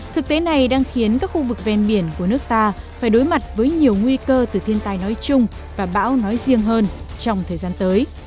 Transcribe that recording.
thực tế này đang khiến các khu vực ven biển của nước ta phải đối mặt với nhiều nguy cơ từ thiên tai nói chung và bão nói riêng hơn trong thời gian tới